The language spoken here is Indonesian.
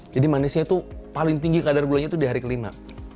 jadi manisnya itu paling tinggi kadar gulanya itu di hari kelima